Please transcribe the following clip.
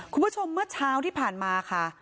คุณผู้ชมเมื่อเช้าที่ผ่านมาค่ะ